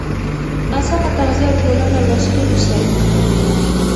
ناسمه تغذیه ټولنه له ستونزو سره مخ کوي.